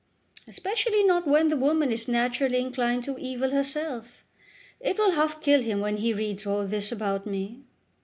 "Especially not when the woman is naturally inclined to evil herself. It will half kill him when he reads all this about me.